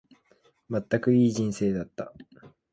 まったく、いい人生だった。